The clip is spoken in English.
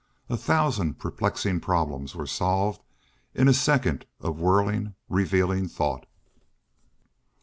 A thousand perplexing problems were solved in a second of whirling, revealing thought.